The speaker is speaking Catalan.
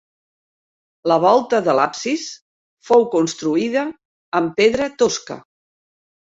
La volta de l'absis fou construïda amb pedra tosca.